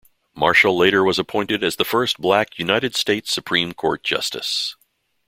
Marshall later was appointed as the first black United States Supreme Court justice.